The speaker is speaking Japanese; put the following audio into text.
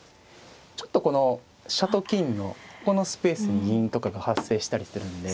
ちょっとこの飛車と金のこのスペースに銀とかが発生したりするんで。